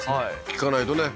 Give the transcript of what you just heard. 聞かないとね